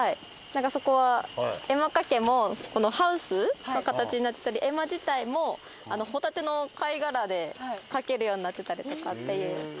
なんかそこは絵馬掛けもハウスの形になってたり絵馬自体もホタテの貝殻で書けるようになってたりとかっていう。